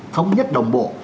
thống nhất đồng bộ